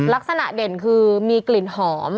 ลักษณะเด่นคือมีกลิ่นหอม